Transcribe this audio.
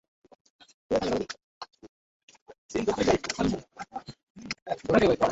বিচার আবশ্যক, বিচার না করিলে আমরা নানাপ্রকার ভ্রমে পড়ি।